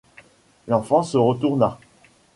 L’enfant se retourna.